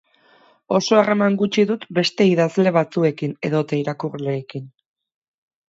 Oso harreman gutxi dut beste idazle batzuekin edota irakurleekin.